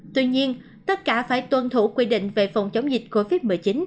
tuy nhiên tất cả phải tuân thủ quy định về phòng chống dịch covid một mươi chín